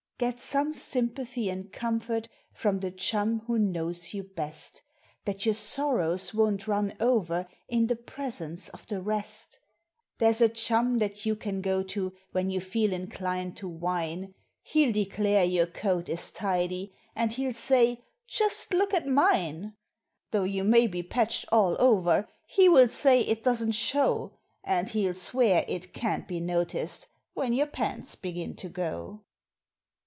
Get some sympathy and comfort from the chum who knows you best, Then your sorrows won't run over in the presence of the rest ; There's a chum that you can go to when you feel inclined to whine, He'll declare your coat is tidy, and he'll say : "Just look at mine !" Though you may be patched all over he will say it doesn't show, And he'll swear it can't be noticed when your pants begin to go.